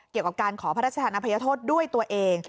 เกี่ยวกับการขอพระราชทานอภัยโทษด้วยตัวเอง